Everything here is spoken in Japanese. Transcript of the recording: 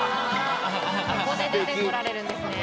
ここで出てこられるんですね。